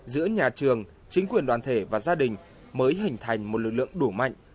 giữa nhà trường chính quyền đoàn thể và gia đình mới hình thành một lực lượng đủ mạnh